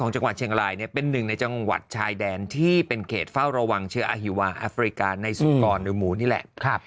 จังหวัดเชียงรายเป็นหนึ่งในจังหวัดชายแดนที่เป็นเขตเฝ้าระวังเชื้ออาฮิวาแอฟริกาในสุกรหรือหมูนี่แหละ